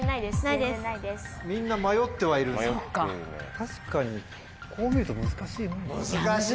確かにこう見ると難しい。